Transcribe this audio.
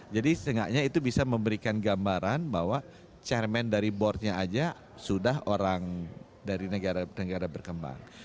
jadi setengahnya itu bisa memberikan gambaran bahwa chairman dari board nya aja sudah orang dari negara berkembang